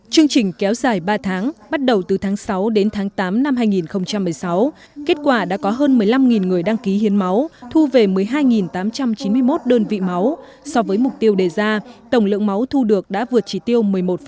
chương trình kéo dài ba tháng bắt đầu từ tháng sáu đến tháng tám năm hai nghìn một mươi sáu kết quả đã có hơn một mươi năm người đăng ký hiến máu thu về một mươi hai tám trăm chín mươi một đơn vị máu so với mục tiêu đề ra tổng lượng máu thu được đã vượt chỉ tiêu một mươi một